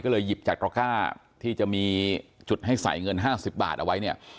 ก็เลยหยิบจากตระก้าที่จะมีจุดให้ใส่เงิน๕๐บาทเอาไว้เนี่ย